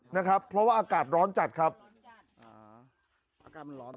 นะครับเพราะว่าอากาศร้อนจัดครับอ่าอากาศมันร้อน